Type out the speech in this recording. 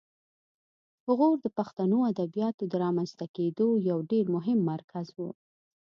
غور د پښتو ادبیاتو د رامنځته کیدو یو ډېر مهم مرکز و